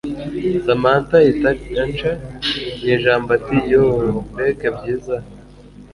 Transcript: Samantha ahita anca mu ijambo ati yooo mbega byiza